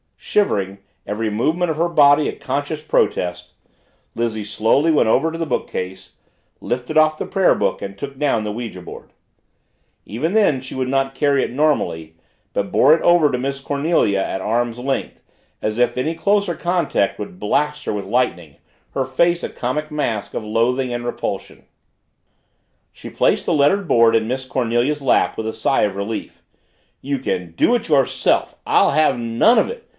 Shivering, every movement of her body a conscious protest, Lizzie slowly went over to the bookcase, lifted off the prayer book, and took down the ouija board. Even then she would not carry it normally but bore it over to Miss Cornelia at arms' length, as if any closer contact would blast her with lightning, her face a comic mask of loathing and repulsion. She placed the lettered board in Miss Cornelia's lap with a sigh of relief. "You can do it yourself! I'll have none of it!"